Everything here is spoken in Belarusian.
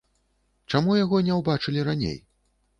Чаму яго не ўбачылі раней?